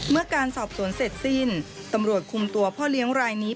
เมื่อการสอบสวนเสร็จสิ้นตำรวจคุมตัวพ่อเลี้ยงรายนี้